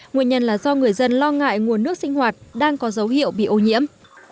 nguyên nhân là do người dân lo ngại nguồn nước sinh hoạt đang có dấu hiệu bị ô nhiễm